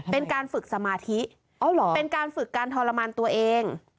เป็นการฝึกสมาธิเป็นการฝึกการทรมานตัวเอง